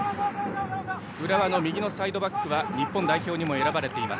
浦和の右サイドバックは日本代表にも選ばれています